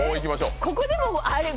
ここでもあれ。